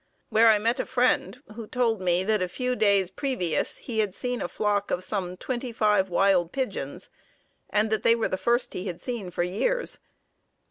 where I met a friend who told me that a few days previous he had seen a flock of some twenty five wild pigeons and that they were the first he had seen for years."